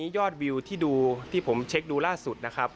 ยอดวิวที่ดูที่ผมเช็คดูล่าสุดนะครับ